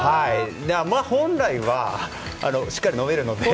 本来は、しっかり飲めるので。